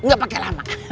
gak pake lama